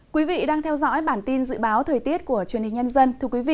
quý vị đang theo dõi bản tin dự báo thời tiết của truyền hình nhân dân